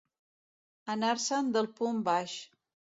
Anar-se'n del punt baix.